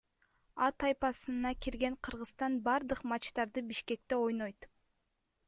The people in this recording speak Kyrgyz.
А тайпасына кирген Кыргызстан бардык матчтарды Бишкекте ойнойт.